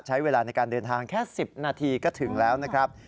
ใช้เวลาในการเดินทางแค่๑๐นาทีก็ถึงแล้วนะครับ